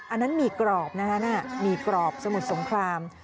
อันนั้นมีกรอบนะคะมีกรอบสมุดสงคราม